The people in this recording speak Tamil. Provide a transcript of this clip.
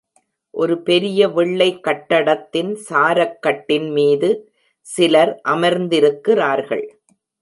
ஒரு பெரிய வெள்ளை கட்டடத்தின் சாரக்கட்டின் மீது சிலர் அமர்ந்திருக்கிறார்கள்.